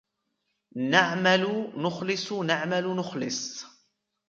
نَعْمَل نُخْلِص نَعْمَل نُخْلِص